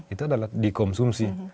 itu adalah dikonsumsi